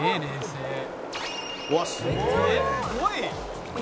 「すごい！」